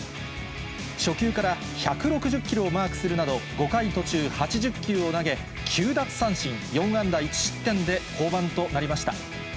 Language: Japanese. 初球から１６０キロをマークするなど、５回途中８０球を投げ、９奪三振、４安打１失点で降板となりました。